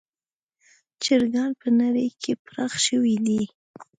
چرګان په نړۍ کې پراخ شوي دي.